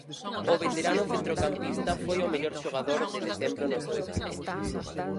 O veterano centrocampista foi o mellor xogador de decembro no seu equipo.